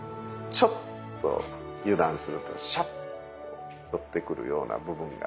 ちょっと油断するとシャッと寄ってくるような部分があって。